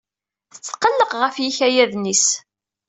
Tetqelleq ɣef yikayaden-is.